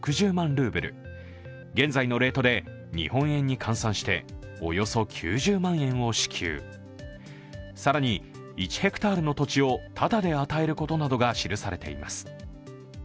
ルーブル現在のレートで日本円に換算しておよそ９０万円を支給、更に、１ｈａの土地をただで与えることなどが記されています。